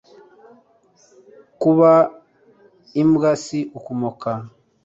kuba imbwa si ukumoka